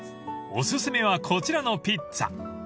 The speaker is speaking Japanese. ［お薦めはこちらのピッツァ］